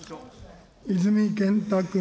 泉健太君。